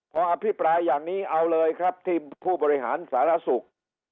พออภิปรายอย่างนี้เอาเลยครับที่ผู้บริหารสารสุข